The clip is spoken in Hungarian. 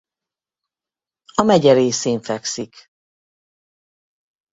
A megye részén fekszik.